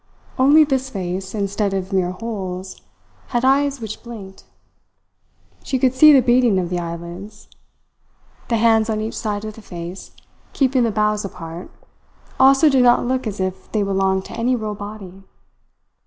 Only this face, instead of mere holes, had eyes which blinked. She could see the beating of the eyelids. The hands on each side of the face, keeping the boughs apart, also did not look as if they belonged to any real body.